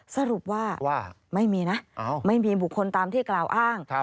สรุปว่าไม่มีนะไม่มีบุคคลตามที่กล่าวอ้าง